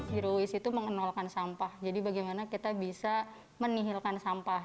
herois itu mengenalkan sampah jadi bagaimana kita bisa menihilkan sampah